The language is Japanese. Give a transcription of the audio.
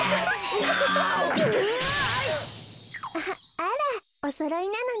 あらおそろいなのね。